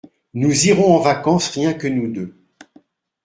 Nous irons en vacances rien que nous deux.